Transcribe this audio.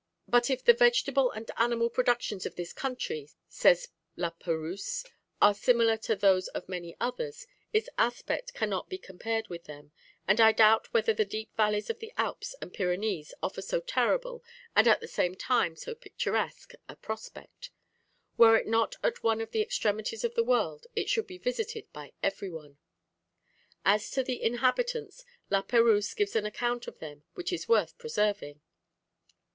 "But if the vegetable and animal productions of this country," says La Perouse, "are similar to those of many others, its aspect cannot be compared with them, and I doubt whether the deep valleys of the Alps and Pyrenees offer so terrible, and at the same time so picturesque, a prospect. Were it not at one of the extremities of the world, it should be visited by every one." As to the inhabitants, La Perouse gives an account of them which is worth preserving.